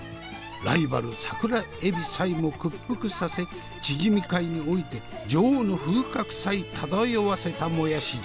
ライバル桜エビさえも屈服させチヂミ界において女王の風格さえ漂わせたもやし嬢。